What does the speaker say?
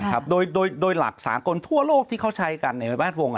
นะครับโดยโดยโดยหลักสาขนทั่วโลกที่เขาใช้กันในแบบวง